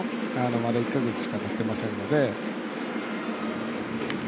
まだ１か月しかたってませんので。